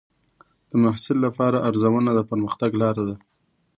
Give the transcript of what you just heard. د محصل لپاره ارزونه د پرمختګ لار ده.